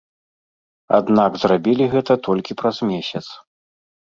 Аднак, зрабілі гэта толькі праз месяц.